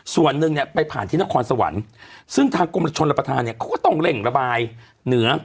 ส่วนหนึ่งเนี่ยไปผ่านที่นครสวรรค์ซึ่งทางกรมชนรับประทานเนี่ยเขาก็ต้องเร่งระบายเหนือ